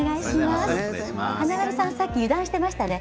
華丸さん、さっき油断していましたね。